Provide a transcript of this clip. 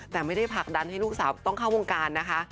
แต่ไม่ได้ผลักดันให้ลูกสาวต้องเข้าวงการนะคะ